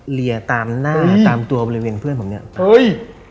เรียตามหน้าตามตัวบริเวณเพื่อนผมเนี้ยเฮ้ย